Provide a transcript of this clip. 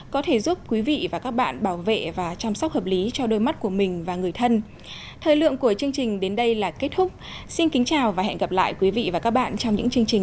xin kính mời quý vị và các bạn cùng theo dõi chương trình sức khỏe và cuộc sống